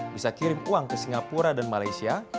bisa kirim uang ke singapura dan malaysia